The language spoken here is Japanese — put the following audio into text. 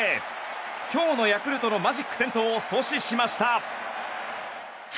今日のヤクルトのマジック点灯を阻止しました。